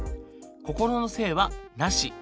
心の性はなし。